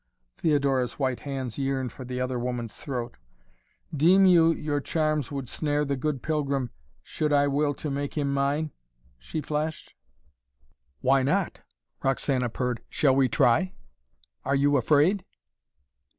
Theodora's white hands yearned for the other woman's throat. "Deem you, your charms would snare the good pilgrim, should I will to make him mine?" she flashed. "Why not?" Roxana purred. "Shall we try? Are you afraid?"